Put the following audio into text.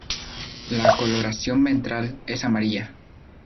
La coloración ventral es amarilla.